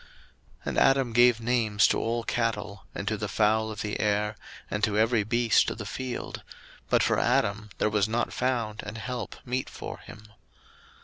01:002:020 And Adam gave names to all cattle, and to the fowl of the air, and to every beast of the field; but for Adam there was not found an help meet for him.